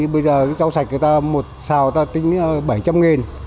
bây giờ rau sạch người ta một xào tính bảy trăm linh nghìn